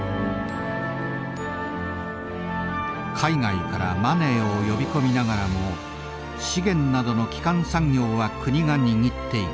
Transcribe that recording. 海外からマネーを呼び込みながらも資源などの基幹産業は国が握っていく。